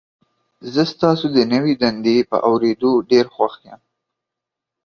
زه ستاسو د نوي دندې په اوریدو ډیر خوښ یم.